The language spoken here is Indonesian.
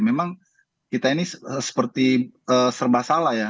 memang kita ini seperti serba salah ya